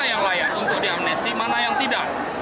mana yang layak untuk diamnesti mana yang tidak